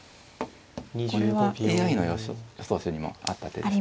これはＡＩの予想手にもあった手ですね。